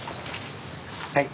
はい。